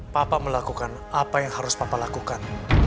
papa melakukan apa yang harus papa lakukan